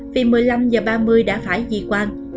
vì một mươi năm h ba mươi đã phải di quan